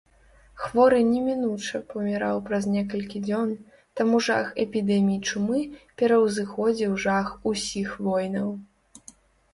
Хворы немінуча паміраў праз некалькі дзён, таму жах эпідэмій чумы пераўзыходзіў жах усіх войнаў.